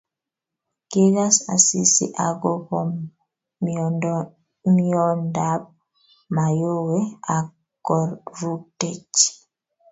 kigas Asisi akobo miondab Mayowe ak korutechi